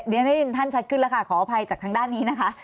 เรียนได้ยินท่านชัดขึ้นแล้วค่ะขออภัยจากทางด้านนี้นะคะ